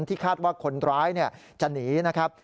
คาดว่าคนร้ายจะหนีนะครับ